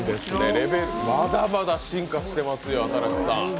レベルまだまだ進化してますよ、新子さん。